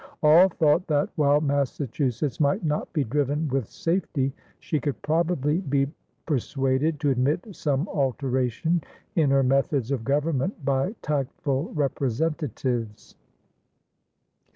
All thought that, while Massachusetts might not be driven with safety, she could probably be persuaded to admit some alteration in her methods of government by tactful representatives.